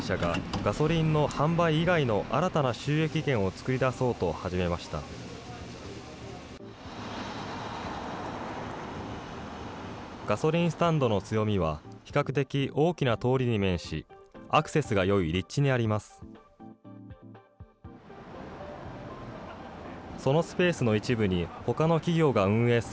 ガソリンスタンドの強みは、比較的大きな通りに面し、アクセスがよい立地にあります。